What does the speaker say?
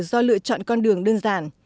do lựa chọn con đường đơn giản